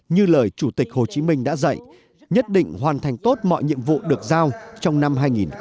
như lời chủ tịch hồ chí minh đã dạy nhất định hoàn thành tốt mọi nhiệm vụ được giao trong năm hai nghìn hai mươi